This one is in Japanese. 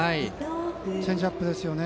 チェンジアップでしたね。